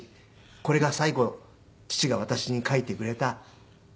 これが最後父が私に書いてくれたメッセージです。